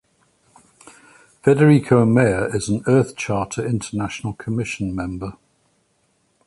Federico Mayor is an Earth Charter International Commission member.